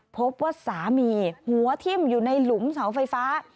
พบว่าสามีหัวทิ้มอยู่ในหลุมเสาไฟฟ้า